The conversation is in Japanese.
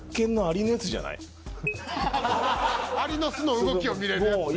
アリの巣の動きを見れるやつ？